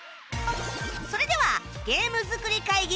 それではゲーム作り会議開始